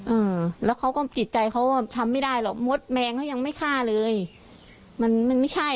อืมแล้วเขาก็จิตใจเขาว่าทำไม่ได้หรอกมดแมงเขายังไม่ฆ่าเลยมันมันไม่ใช่